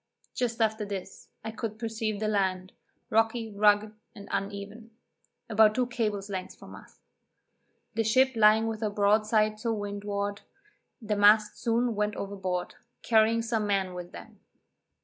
Just after this, I could perceive the land, rocky, rugged and uneven, about two cables' length from us. The ship lying with her broadside to windward, the masts soon went overboard, carrying some men with them.